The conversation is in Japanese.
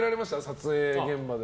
撮影現場で。